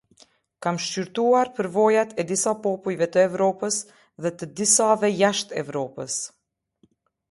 Kam shqyrtuar përvojat e disa popujve të Evropës dhe të disave jashtë Evropës.